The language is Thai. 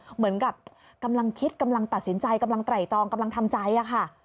เหมือนกับกำลังคิดกำลังตัดสินใจกำลังไตรตองกำลังทำใจค่ะ